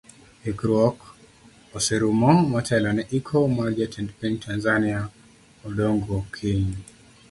Ikruok oserumo motelo ne iko mar jatend piny tanzania Odongo kiny.